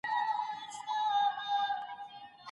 لومړۍ برخه تولید یا محصول دی.